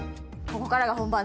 ここからが本番！